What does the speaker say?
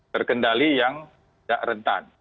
terkendali yang tidak rentan